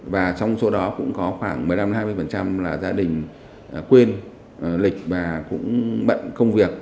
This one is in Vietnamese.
và trong số đó cũng có khoảng một mươi năm hai mươi là gia đình quên lịch và cũng bận công việc